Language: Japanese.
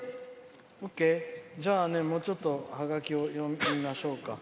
じゃあ、もうちょっとハガキを読みましょうか。